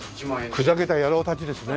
ふざけた野郎たちですね。